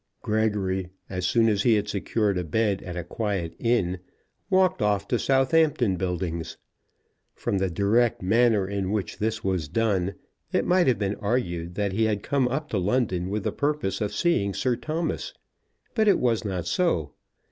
Gregory, as soon as he had secured a bed at a quiet inn, walked off to Southampton Buildings. From the direct manner in which this was done, it might have been argued that he had come up to London with the purpose of seeing Sir Thomas; but it was not so.